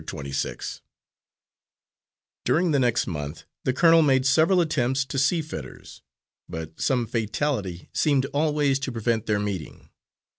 Twenty six During the next month the colonel made several attempts to see Fetters, but some fatality seemed always to prevent their meeting.